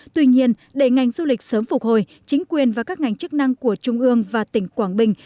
tuy nhiên để ngành du lịch sớm phục hồi chính quyền và các ngành chức năng của trung ương và tỉnh quảng bình